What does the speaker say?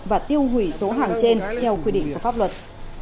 và tiêu hủy số hàng trên theo quy định của pháp luật